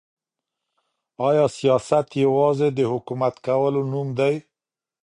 آیا سیاست یوازي د حکومت کولو نوم دی؟